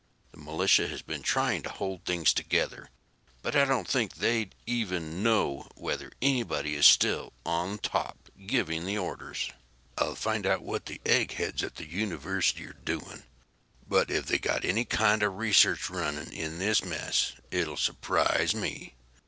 The militia have been trying to hold things together, but I don't think they even know whether anybody is still on top giving the orders. "I'll try to find out what the eggheads at the university are doing, but if they've got any kind of research running in this mess, it'll surprise me.